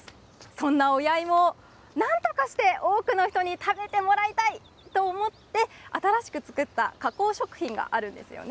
そんな親芋を、なんとかして多くの人に食べてもらいたいと思って、新しく作った加工食品があるんですよね。